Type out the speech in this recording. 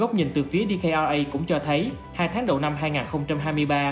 góc nhìn từ phía dkr cũng cho thấy hai tháng đầu năm hai nghìn hai mươi ba